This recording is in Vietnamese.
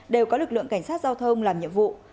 đều có lực lượng cảnh sát giao thông làm nhiệm vụ